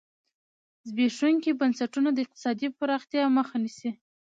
زبېښونکي بنسټونه د اقتصادي پراختیا مخه نیسي.